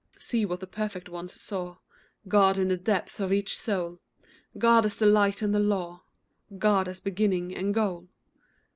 See what the Perfect Ones saw— God in the depth of each soul, God as the light and the law, God as beginning and goal.